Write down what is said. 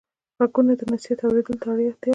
غوږونه د نصیحت اورېدلو ته اړتیا لري